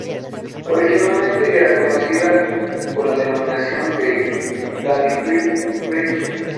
Originalmente era conocida con la denominación de "Lane Bridge".